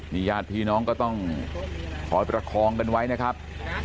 นี่ญาติพี่น้องก็ต้องคอยประคองกันไว้นะครับ